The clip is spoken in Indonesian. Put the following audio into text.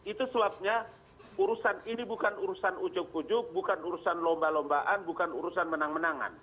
itu sebabnya urusan ini bukan urusan ujuk ujuk bukan urusan lomba lombaan bukan urusan menang menangan